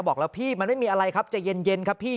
บอกแล้วพี่มันไม่มีอะไรครับจะเย็นครับพี่